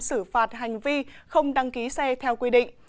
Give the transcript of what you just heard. xử phạt hành vi không đăng ký xe theo quy định